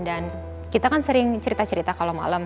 dan kita kan sering cerita cerita kalau malam